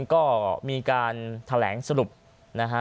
ก็มีการแถลงสรุปนะฮะ